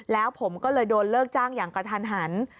แล้วผมก็เลยโดนเลิกจ้างอย่างกระทันหัน